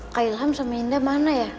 kak ilham sama indah mana ya